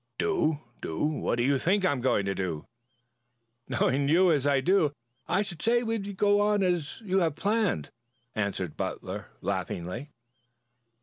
"Do? Do? What do you think I am going to do?" "Knowing you as I do, I should say you would go on as we have planned," answered Butler laughingly.